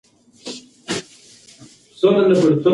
سړي د خپلې څېرې په بدلولو سره خپله جزا ولیده.